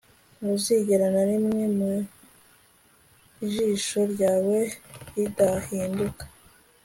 ntuzigere na rimwe mu jisho ryawe ridahinduka